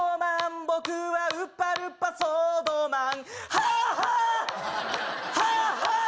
僕はウパルパソードマン